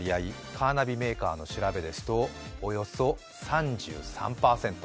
カーナビメーカーの調べですと、およそ３３％。